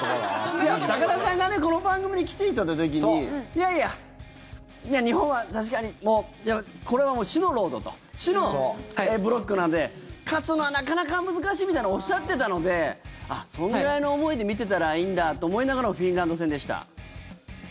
高田さんがこの番組に来ていただいた時にいやいや、日本は確かにもうこれはもう死のロードと死のブロックなんで、勝つのはなかなか難しいみたいにおっしゃっていたのであ、そんぐらいの思いで見てたらいいんだと思いながらのフィンランド戦でした。